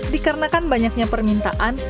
dikarenakan banyaknya permintaan